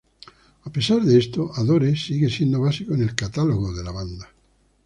A pesar de esto, "Adore" sigue siendo básico en el catálogo de la banda.